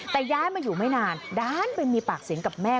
แต่ย้ายมาอยู่ไม่นานด้านไปมีปากเสียงกับแม่